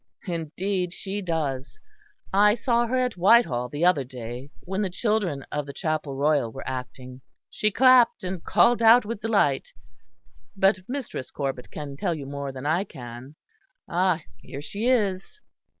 "Indeed she does. I saw her at Whitehall the other day, when the children of the Chapel Royal were acting; she clapped and called out with delight. But Mistress Corbet can tell you more than I can Ah! here she is."